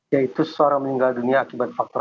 yaitu seseorang meninggal dunia akibat faktor